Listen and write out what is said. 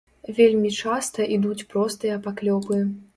Вельмі часта ідуць простыя паклёпы.